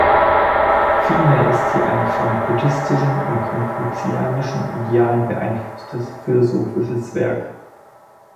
Vielmehr ist sie ein von buddhistischen und konfuzianischen Idealen beeinflusstes philosophisches Werk.